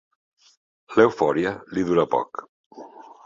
L'eufòria li dura poc.